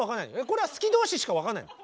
これは好き同士しか分かんない。